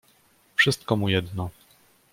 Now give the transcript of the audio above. "Wszystko mu jedno."